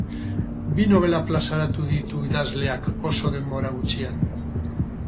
Bi nobela plazaratu ditu idazleak oso denbora gutxian.